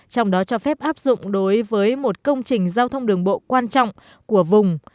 trong đó cho phép áp dụng đối với một công trình giao thông đường bộ quan trọng của vùng